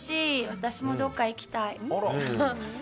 私もどっか行きたい。